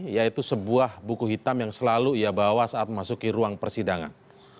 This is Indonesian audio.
yaitu sebuah buku hitam yang selalu ia bawa saat memasuki ruang persidangan